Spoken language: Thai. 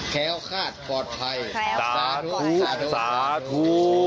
แค้วคาดปลอดภัยสาธุสาธุ